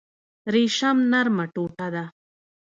ریشم نرمه ټوټه ده